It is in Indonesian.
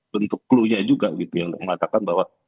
bentuk clue nya juga gitu ya untuk mengatakan bahwa